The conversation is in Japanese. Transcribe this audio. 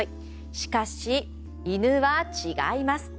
しかし、犬は違います。